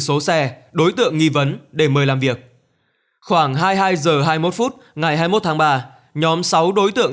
số xe đối tượng nghi vấn để mời làm việc khoảng hai mươi hai h hai mươi một phút ngày hai mươi một tháng ba nhóm sáu đối tượng